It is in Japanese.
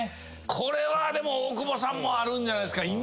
これは大久保さんもあるんじゃないですか？